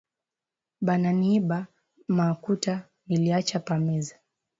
Bana niiba makuta niliacha pa meza